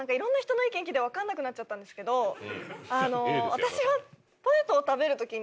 私は。